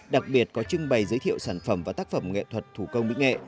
đặc biệt có trưng bày giới thiệu sản phẩm và tác phẩm nghệ thuật thủ công mỹ nghệ